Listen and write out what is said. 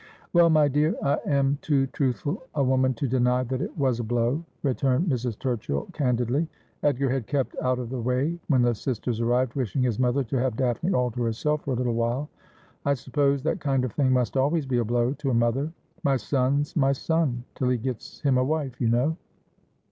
' Well, my dear, I am too truthful a woman to deny that it was a blow,' returned Mrs. Turchill candidly. Edgar had kept out of the way when the sisters arrived, wishing his mother to have Daphne all to herself for a little while. ' I suppose that kind of thing must always be a blow to a mother. "My son's my son till he gets him a wife," you know.'